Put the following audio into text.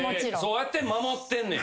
そうやって守ってんねん。